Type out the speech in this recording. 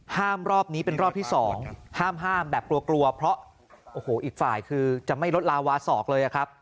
ห้ามรอบนี้เป็นรอบที่๒ห้ามแบบกลัวเพราะอีกฝ่ายคือจะไม่ลดลาวาศอกเลยอะครับ